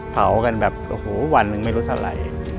เผากันแบบโอ้โหวันหนึ่งไม่รู้เท่าไหร่